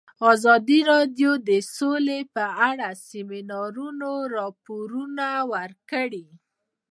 ازادي راډیو د سوله په اړه د سیمینارونو راپورونه ورکړي.